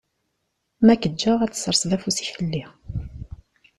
Ma ad ak-ǧǧeɣ ad tesserseḍ afus-ik fell-i.